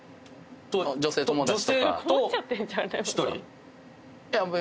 女性友達とか。